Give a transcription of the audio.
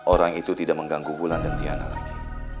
orang itu tidak mengganggu bulan dan tiana lagi